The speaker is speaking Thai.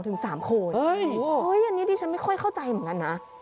อันนี้ดิฉันไม่ค่อยเข้าใจเหมือนกันนะ